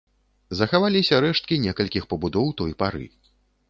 Захаваліся рэшткі некалькіх пабудоў той пары.